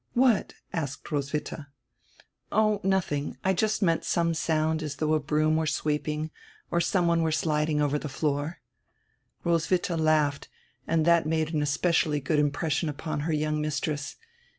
"What?"asked Roswitha. "Oh, nothing. I just meant some sound as though a broom were sweeping or some one were sliding over die floor." Roswitha laughed and that made an especially good impression upon her young mistress.